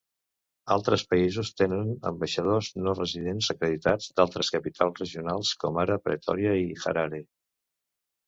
Altres països tenen ambaixadors no residents acreditats d'altres capitals regionals, com ara Pretòria i Harare.